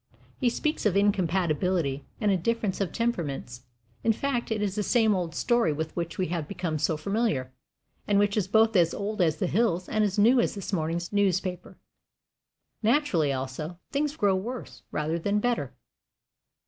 He speaks of "incompatibility," and a "difference of temperaments." In fact, it is the same old story with which we have become so familiar, and which is both as old as the hills and as new as this morning's newspaper. Naturally, also, things grow worse, rather than better.